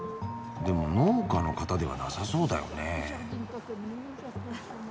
でも農家の方ではなさそうだよね。